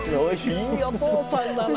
いいお父さんだな。